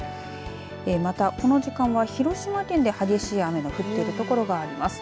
またこの時間は広島県で激しい雨の降っている所があります。